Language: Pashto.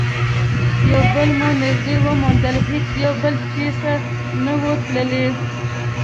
یو بل مو نژدې وموند، هیڅ یو بل چیري نه وو تللي.